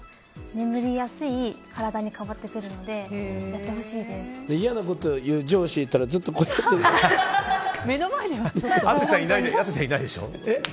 眠りやすい体に変わってくるので嫌なことを言う上司がいたら目の前ではちょっと。